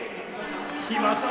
きまった。